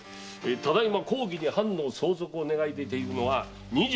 ただいま公儀に藩の相続を願い出ているのは二十一藩です。